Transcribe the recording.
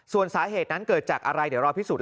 ส่วนสาเหตุนั้นเกิดจากอะไรเดี๋ยวรอพิสูจน